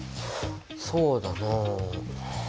そうだな。